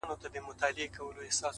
په دغه خپل وطن كي خپل ورورك’